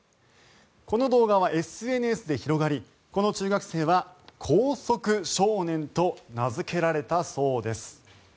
この動画はＳＮＳで広がりこの中学生は光速少年と名付けられたそうです。